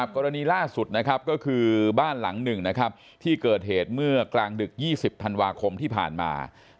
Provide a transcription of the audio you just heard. กรณีล่าสุดนะครับก็คือบ้านหลังหนึ่งนะครับที่เกิดเหตุเมื่อกลางดึก๒๐ธันวาคมที่ผ่านมา